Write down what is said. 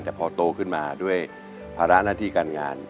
แต่พอโตขึ้นมาด้วยภาระหน้าที่การงาน